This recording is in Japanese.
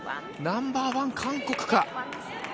ナンバーワン、韓国か。